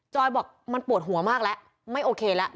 บอกมันปวดหัวมากแล้วไม่โอเคแล้ว